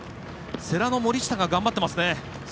世羅の森下が頑張っていますね。